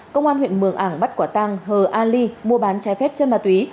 công an huyện mường ảng bắt quả tăng h a li mua bán trái phép chất ma túy